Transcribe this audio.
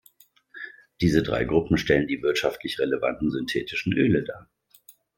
Diese drei Gruppen stellen die wirtschaftlich relevanten synthetischen Öle dar.